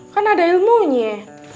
kan ada ilmunye